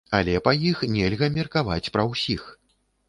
Але па іх нельга меркаваць пра усіх.